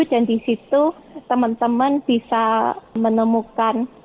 dan di situ teman teman bisa menemukan